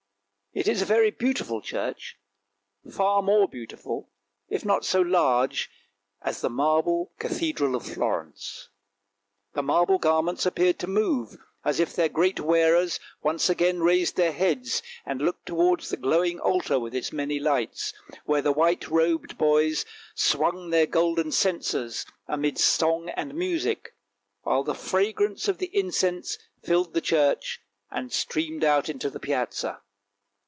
It is a very beautiful church, far more beautiful, if not so large as the marble Cathedral of Florence. The marble garments appeared to move, as if their great wearers once again raised their heads, and looked towards the glowing altar with its many lights, where the white robed boys swung their golden censers, amid song and music, while the fragrance of the incense filled the church, and streamed out into the Piazza.